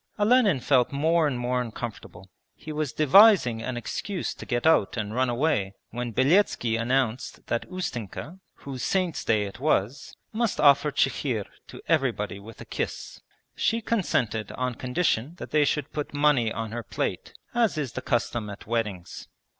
Olenin felt more and more uncomfortable. He was devising an excuse to get out and run away when Beletski announced that Ustenka, whose saint's day it was, must offer chikhir to everybody with a kiss. She consented on condition that they should put money on her plate, as is the custom at weddings.